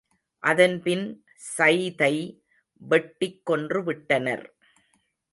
அதன்பின் ஸைதை வெட்டிக் கொன்று விட்டனர்.